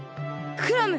クラム！